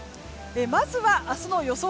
まずは明日の予想